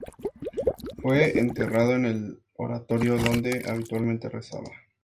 Fue enterrando en el oratorio donde habitualmente rezaba.